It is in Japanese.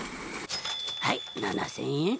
はい７，０００円。